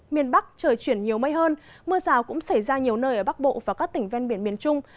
miền bắc trời chuyển nhiều mây hơn mưa rào cũng xảy ra nhiều nơi ở bắc bộ và các tỉnh ven biển miền trung